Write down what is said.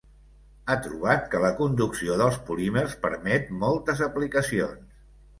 Ha trobat que la conducció dels polímers permet moltes aplicacions.